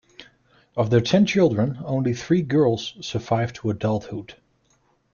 Of their ten children, only three girls survived to adulthood.